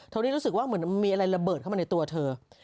ที่รู้สึกว่าเหมือนมีอะไรระเบิดเข้ามาในตัวเธอ